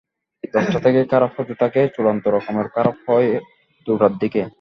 দশটা থেকে খারাপ হতে থাকে, চূড়ান্ত রকমের খারাপ হয় দুটার দিকে।